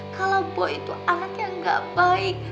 kalau boy itu anak yang gak baik